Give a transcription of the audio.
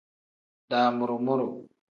Damuru-muru.